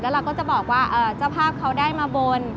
เราก็จะบอกว่าเจ้าภาพเขาได้มาบน